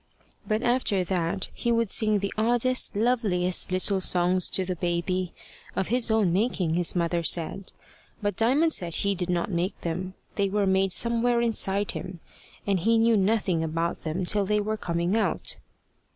But after that he would sing the oddest, loveliest little songs to the baby of his own making, his mother said; but Diamond said he did not make them; they were made somewhere inside him, and he knew nothing about them till they were coming out.